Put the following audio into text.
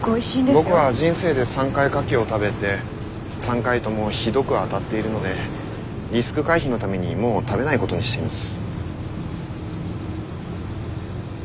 僕は人生で３回カキを食べて３回ともひどくあたっているのでリスク回避のためにもう食べないことにしています。